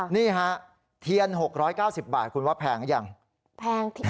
นี่ฮะเทียน๖๙๐บาทคุณว่าแพงหรือยังแพงจริง